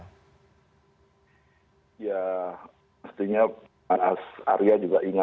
ya pastinya mas arya juga ingat narasi narasi yang ada di dalamnya